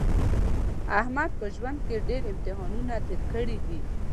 احمد په ژوند کې ډېر امتحانونه تېر کړي دي.